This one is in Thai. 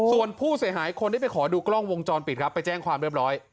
ส่วนผู้เสียหายคนที่ไปขอดูกล้องวงจรปิดครับไปแจ้งความเรียบร้อย